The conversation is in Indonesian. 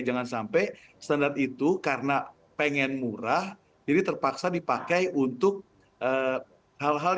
jangan sampai standar itu karena pengen murah jadi terpaksa dipakai untuk hal hal